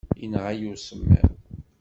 Inɣa-yi usemmiḍ.